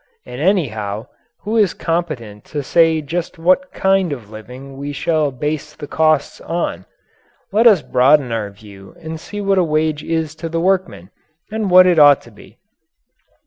And, anyhow, who is competent to say just what kind of living we shall base the costs on? Let us broaden our view and see what a wage is to the workmen and what it ought to be.